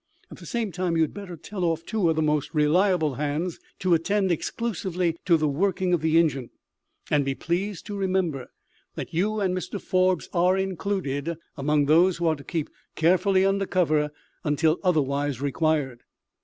At the same time you had better tell off two of the most reliable hands to attend exclusively to the working of the engine. And be pleased to remember that you and Mr Forbes are included among those who are to keep carefully under cover until otherwise required."